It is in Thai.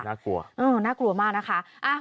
น่ากลัวเออน่ากลัวมากนะคะ